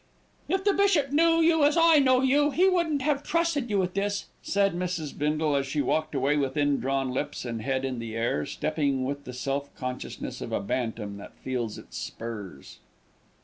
"If the bishop knew you as I know you, he wouldn't have trusted you with this," said Mrs. Bindle, as she walked away with indrawn lips and head in the air, stepping with the self consciousness of a bantam that feels its spurs.